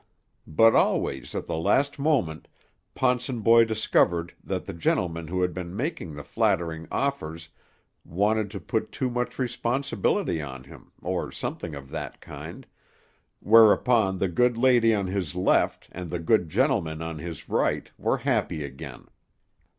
But always at the last moment Ponsonboy discovered that the gentleman who had been making the flattering offers wanted to put too much responsibility on him, or something of that kind, whereupon the good lady on his left, and the good gentleman on his right, were happy again.